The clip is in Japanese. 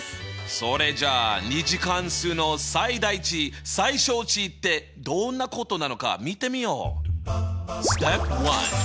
それじゃあ２次関数の最大値・最小値ってどんなことなのか見てみよう！